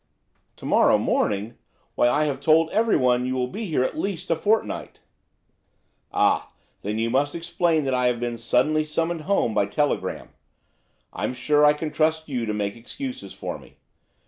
"To morrow morning! Why, I have told everyone you will be here at least a fortnight!" "Ah, then you must explain that I have been suddenly summoned home by telegram. I'm sure I can trust you to make excuses for me.